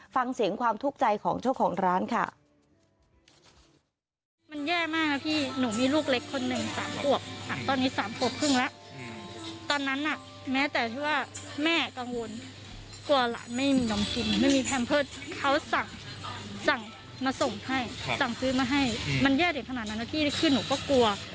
ฟังเสียงความทุกข์ใจของเจ้าของร้านค่ะ